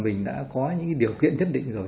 mình đã có những điều kiện nhất định rồi